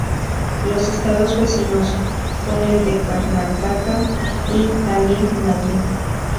Los estados vecinos son el de Karnataka y Tamil Nadu.